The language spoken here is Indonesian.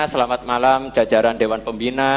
selamat malam jajaran dewan pembina